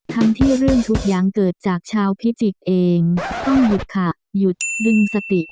ทั้งที่เรื่องทุกอย่างเกิดจากชาวพิจิกษ์เองต้องหยุดขะหยุดดึงสติ